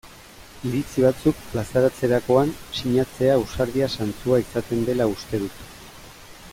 Iritzi batzuk plazaratzerakoan sinatzea ausardia zantzua izaten dela uste dut.